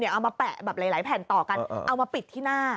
เอามาแปะแบบหลายแผ่นต่อกันเอามาปิดที่หน้า